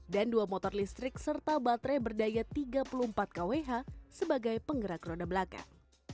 dan dua motor listrik serta baterai berdaya tiga puluh empat kwh sebagai penggerak roda belakang